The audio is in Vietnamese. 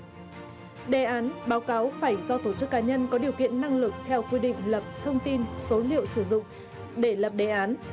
đề án báo cáo phải do tổ chức cá nhân có điều kiện năng lực theo quy định lập thông tin số liệu sử dụng để lập đề án